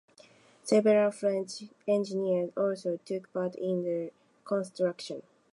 Several French engineers also took part in the construction.